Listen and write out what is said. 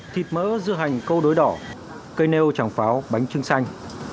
thịt mỡ dưa hành câu đối đỏ cây nêu tràng pháo bánh trưng xanh